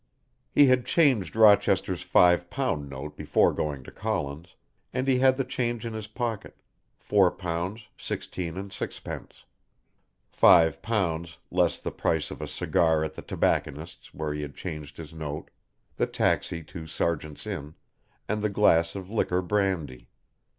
He had changed Rochester's five pound note before going to Collins, and he had the change in his pocket, four pounds sixteen and sixpence. Five pounds, less the price of a cigar at the tobacconist's where he had changed his note, the taxi to Sergeants' Inn, and the glass of liqueur brandy.